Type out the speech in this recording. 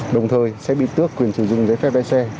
đồng thời sẽ bị tước quyền sử dụng giấy phép lái xe